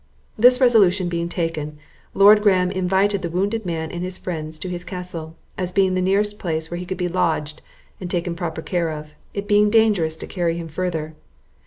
This resolution being taken, Lord Graham invited the wounded man and his friends to his castle, as being the nearest place where he could be lodged and taken proper care of, it being dangerous to carry him further.